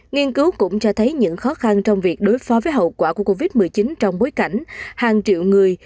nghiên cứu cũng cho thấy những khó khăn trong việc đối phó với hậu quả của covid một mươi chín trong bối cảnh hàng triệu người